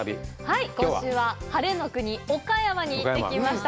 はい今週は晴れの国岡山に行ってきました